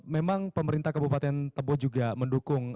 memang pemerintah kabupaten tebo juga mendukung